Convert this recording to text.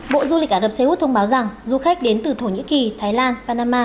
bộ du lịch ả rập xê út thông báo rằng du khách đến từ thổ nhĩ kỳ thái lan panama